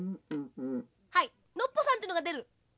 はいノッポさんってのがでる。